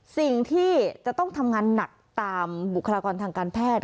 สิ่งที่จะต้องทำงานหนักตามบุคลากรทางการแพทย์